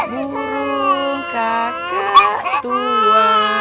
burung kakak tua